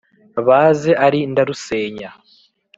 baze ari ndarusenya